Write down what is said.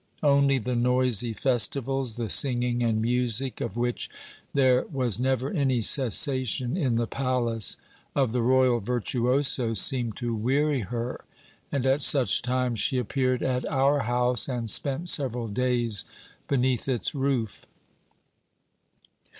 Only the noisy festivals, the singing and music, of which there was never any cessation in the palace of the royal virtuoso, seemed to weary her and at such times she appeared at our house and spent several days beneath its roof.